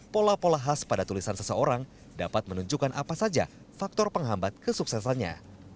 mas pada tulisan seseorang dapat menunjukkan apa saja faktor penghambat kesuksesannya